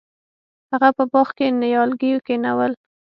هغه په باغ کې نیالګي کینول.